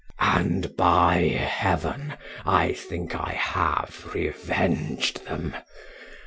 "And, by heaven! I think I have revenged them.